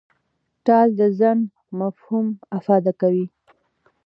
ټال د ځنډ مفهوم افاده کوي.